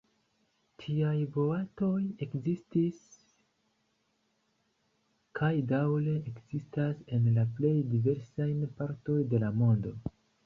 Tiaj boatoj ekzistis kaj daŭre ekzistas en la plej diversaj partoj de la mondo.